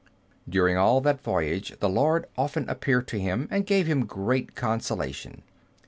During all that voyage, the Lord often appeared to him, and gave him great consolation.